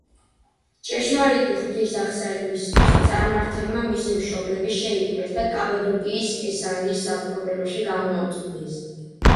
ჭეშმარიტი ღვთის აღსარებისთვის წარმართებმა მისი მშობლები შეიპყრეს და კაბადოკიის კესარიის საპყრობილეში გამოამწყვდიეს.